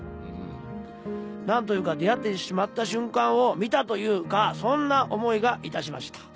「なんというか出会ってしまった瞬間を見たというかそんな思いがいたしました」